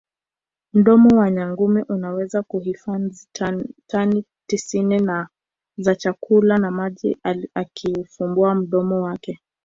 Mdomo wa nyangumi unaweza kuhifazi tani tisini za chakula na maji akiufumbua mdomo wake